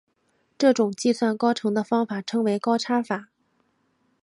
这种计算高程的方法称为高差法。